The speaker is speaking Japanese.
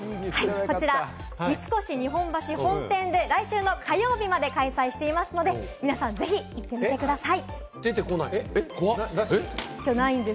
こちら三越日本橋本店で来週の火曜日まで開催していますので、皆さんぜひ行ってください。